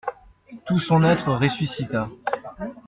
Tout son être ressuscita.